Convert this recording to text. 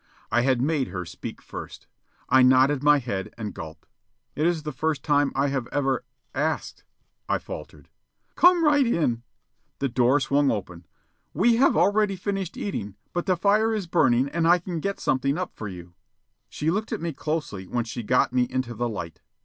I had made her speak first. I nodded my head and gulped. "It is the first time I have ever ... asked," I faltered. "Come right in." The door swung open. "We have already finished eating, but the fire is burning and I can get something up for you." She looked at me closely when she got me into the light.